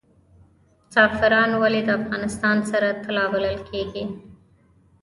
زعفران ولې د افغانستان سره طلا بلل کیږي؟